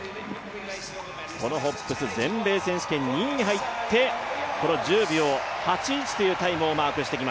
ホッブス全米選手権２位に入って１０秒８１というタイムをマークしてき